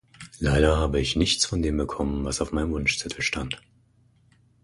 Leider habe ich nichts von dem bekommen, was auf meinem Wunschzettel stand.